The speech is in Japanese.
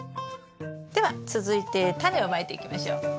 では続いてタネをまいていきましょう。